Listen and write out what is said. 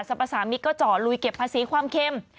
พสามิตรก็เจาะลุยเก็บภาษีความเค็ม